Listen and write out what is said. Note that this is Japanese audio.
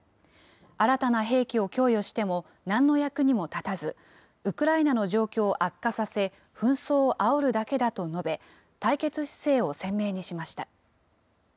新たな兵器を供与してもなんの役にも立たず、ウクライナの状況を悪化させ、紛争をあおるだけだと述べ、対決姿勢を鮮明にしました。